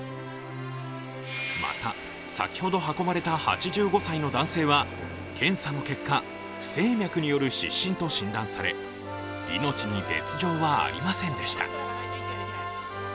また、先ほど運ばれた８５歳の男性は検査の結果、不整脈による失神と診断され、命に別状はありませんでした。